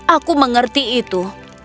aku mengerti itu